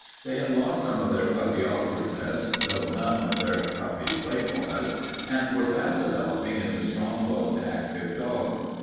They had lost some of their puppy awkwardness though none of their puppy playfulness, and were fast developing into strong boned, active dogs.